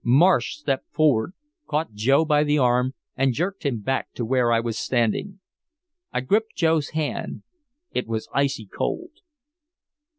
Marsh stepped forward, caught Joe by the arm and jerked him back to where I was standing. I gripped Joe's hand, it was icy cold.